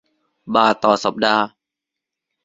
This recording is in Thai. บาทต่อสัปดาห์